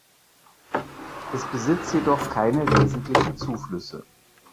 Es besitzt jedoch keine wesentlichen Zuflüsse.